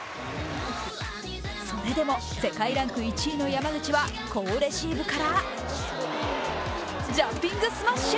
それでも世界ランク１位の山口は好レシーブからジャンピングスマッシュ。